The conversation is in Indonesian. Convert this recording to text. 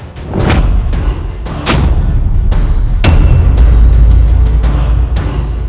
apakah kau tertarik